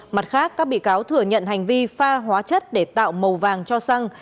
mặt khác các bị cáo thừa nhận hành vi pha hóa chất để tạo màu vàng cho xăng